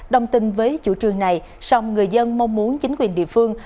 đồng tình với chủ trương này song người dân mong muốn chính quyền địa phương